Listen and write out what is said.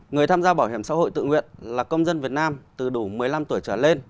người tham gia bảo hiểm xã hội tự nguyện là công dân việt nam từ đủ một mươi năm tuổi trở lên